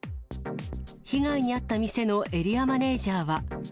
被害に遭った店のエリアマネージャーは。